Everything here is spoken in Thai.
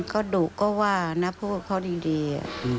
ก็ดูก็ว่านะพูดขอดี